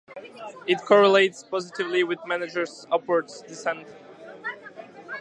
It correlates positively with managers' upward dissent.